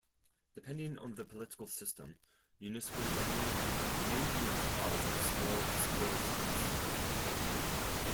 Depending on the political system, municipal government may be in charge of small disbursements.